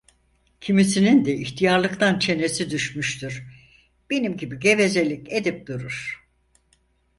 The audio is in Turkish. Kimisinin de ihtiyarlıktan çenesi düşmüştür, benim gibi gevezelik edip durur.